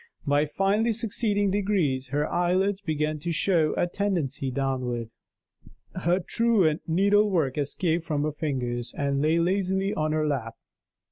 By finely succeeding degrees, her eyelids began to show a tendency downward; her truant needle work escaped from her fingers, and lay lazily on her lap.